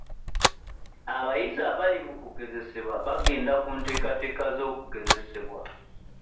Abayizi abali mu kugezesebwa bagenda ku nteekateeka z'okugezesebwa